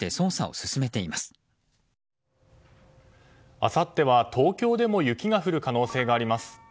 あさっては、東京でも雪が降る可能性があります。